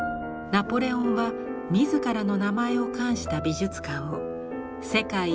ナポレオンは自らの名前を冠した美術館を世界一の規模にしようとします。